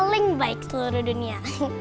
paling baik seluruh dunia